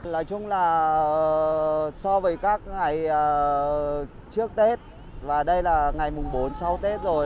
nói chung là so với các ngày trước tết và đây là ngày mùng bốn sau tết rồi